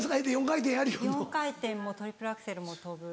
４回転もトリプルアクセルも跳ぶ。